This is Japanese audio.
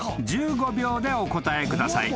１５秒でお答えください］